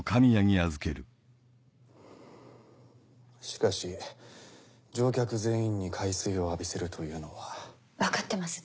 しかし乗客全員に海水を浴びせるとい分かってます